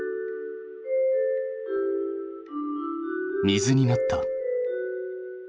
水になった。